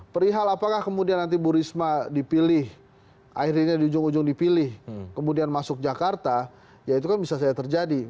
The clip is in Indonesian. perihal apakah kemudian nanti bu risma dipilih akhirnya di ujung ujung dipilih kemudian masuk jakarta ya itu kan bisa saja terjadi